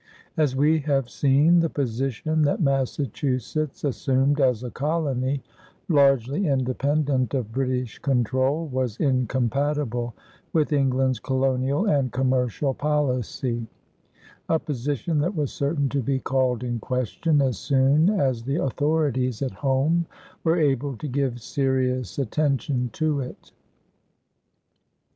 As we have seen, the position that Massachusetts assumed as a colony largely independent of British control was incompatible with England's colonial and commercial policy, a position that was certain to be called in question as soon as the authorities at home were able to give serious attention to it.